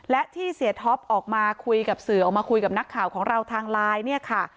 และที่เสียท็อปออกมาคุยกับสื่อออกมาคุยกับนักข่าวของเราทางไลน์เนี่ยค่ะ